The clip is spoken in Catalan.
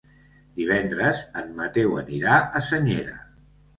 Divendres en Mateu anirà a Senyera.